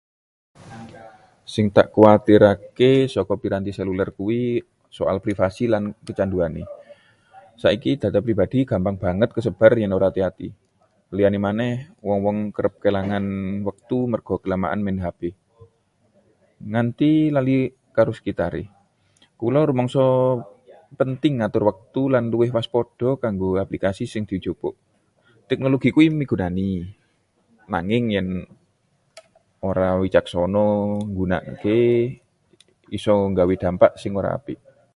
Sing tak kuwatirake saka piranti seluler kuwi soal privasi lan kecanduané. Saiki data pribadi gampang banget kesebar yen ora ati-ati. Liyane maneh, wong-wong kerep kélangan wektu merga kelamaan main HP, nganti lali karo sekitaré. Kula rumangsa penting ngatur wektu lan luwih waspada karo aplikasi sing dijupuk. Teknologi iku migunani, nanging yen ora wicaksana nggunakaké, iso nggawa dampak sing ora apik.